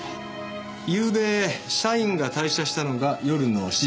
ゆうべ社員が退社したのが夜の７時ごろ。